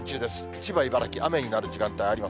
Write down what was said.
千葉、茨城、雨になる時間帯があります。